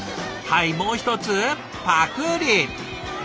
はいもう一つパクリ。